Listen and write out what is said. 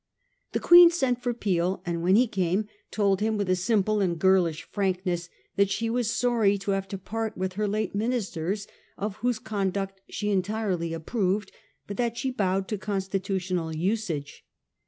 The Queen sent for Peel, and when he came, told him with a simple and girlish frankness that she was sorry to have to part with her late ministers, of whose conduct she entirely approved, but that she bowed to constitutional usage.